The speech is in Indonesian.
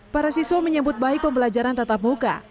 para siswa menyebut baik pembelajaran tatap muka